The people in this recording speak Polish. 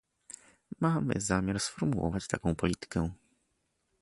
Mamy zamiar sformułować taką politykę